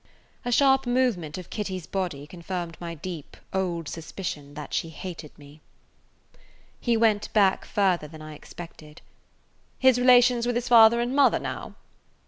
A sharp movement of Kitty's body confirmed my deep, old suspicion that she hated me. He went back further than I expected. "His relations with his father and mother, now?"